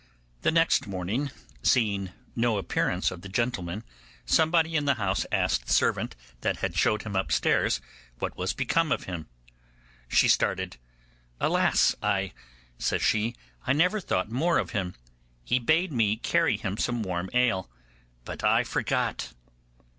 The next morning, seeing no appearance of the gentleman, somebody in the house asked the servant that had showed him upstairs what was become of him. She started. 'Alas I,' says she, 'I never thought more of him. He bade me carry him some warm ale, but I forgot.